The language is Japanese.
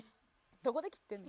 どこで切ってんねん。